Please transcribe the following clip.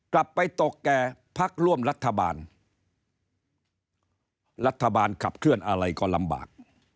กลับไปตกแก่พักร่วมรัฐบาลรัฐบาลขับเคลื่อนอะไรก็ลำบาก